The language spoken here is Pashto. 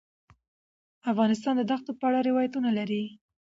افغانستان د دښتو په اړه روایتونه لري.